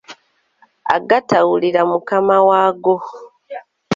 Agatawulira mukama waago.